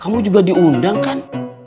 kamu juga diundang kan